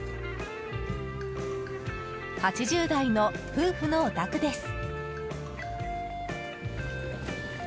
８０代の夫婦のお宅です。